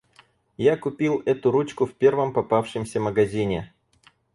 Я купил эту ручку в первом попавшемся магазине.